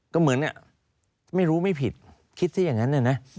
ก็เหมือนไม่รู้ไม่ผิดคิดซะอย่างนั้นเนี่ยนะ